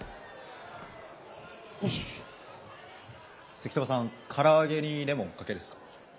赤兎馬さん唐揚げにレモンかけるっすか？